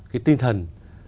cái tinh thần